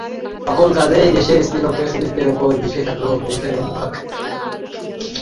কাজেই সকল দেশে স্ত্রীলোকের সতীত্বের উপর বিশেষ আগ্রহ, পুরুষের বাড়ার ভাগ।